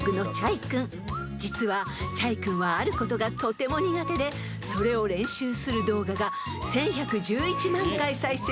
［実はチャイ君はあることがとても苦手でそれを練習する動画が１，１１１万回再生され大バズり］